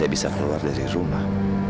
bisa keluar dari rumah